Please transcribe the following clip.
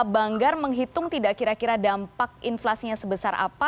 banggar menghitung tidak kira kira dampak inflasinya sebesar apa